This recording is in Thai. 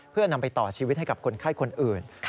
เพื่อนำไปต่อชีวิตให้กับคนไข้คนอื่น